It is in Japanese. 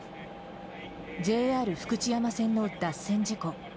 ＪＲ福知山線の脱線事故。